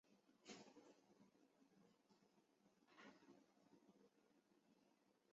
韦罗人口变化图示